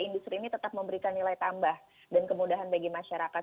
industri ini tetap memberikan nilai tambah dan kemudahan bagi masyarakat